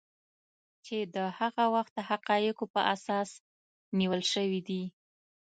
چې د هغه وخت حقایقو په اساس نیول شوي دي